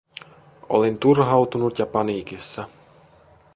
Olin turhautunut ja paniikissa.